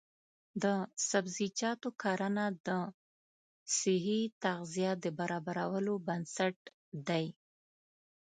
د سبزیجاتو کرنه د صحي تغذیې د برابرولو بنسټ دی.